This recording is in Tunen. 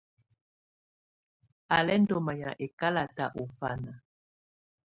Á lɛ́ ndɔ́ manyá ɛ́kalatɛ̀ ɔ fana.